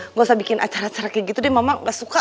nggak usah bikin acara acara kayak gitu deh mama gak suka